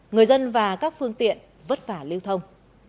người dân và các phương tiện vất vả lưu thông